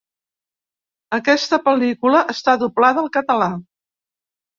Aquesta pel·lícula està doblada al català.